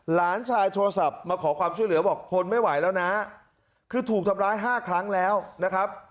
หลานชายโทรศัพท์มาขอความช่วยเหลือบอกทนไม่ไหวแล้วนะคือถูกทำร้าย๕ครั้งแล้วนะครับ